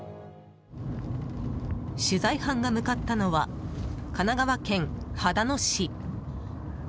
取材班が向かったのは神奈川県秦野市。